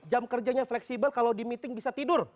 jam kerjanya fleksibel kalau di meeting bisa tidur